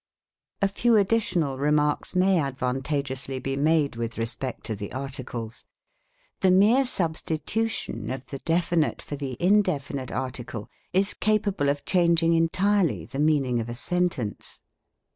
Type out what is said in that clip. A few additional remarks may advantageously be made with respect to the articles. The mere substitu tion of the definite for the indefinite article is capable of changing entirely the meaning of a sentence.